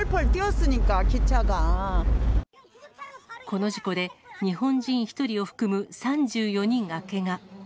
この事故で、日本人１人を含む３４人がけが。